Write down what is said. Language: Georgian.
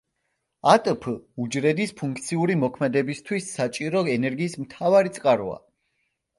ატფ უჯრედის ფუნქციური მოქმედებისათვის საჭირო ენერგიის მთავარი წყაროა.